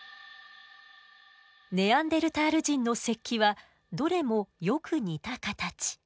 ネアンデルタール人の石器はどれもよく似た形。